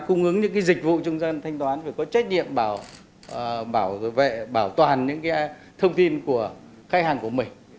cung ứng những cái dịch vụ trung gian thanh toán và có trách nhiệm bảo toàn những cái thông tin của khách hàng của mình